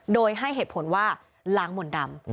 โดยให้เหตุผลว่าล้างมนต์ดำ